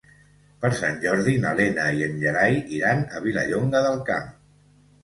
Per Sant Jordi na Lena i en Gerai iran a Vilallonga del Camp.